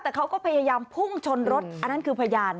แต่เขาก็พยายามพุ่งชนรถอันนั้นคือพยาน